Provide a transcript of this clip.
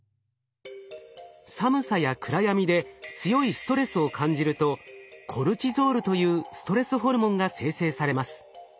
寒さや暗闇で強いストレスを感じるとコルチゾールというストレスホルモンが生成されます。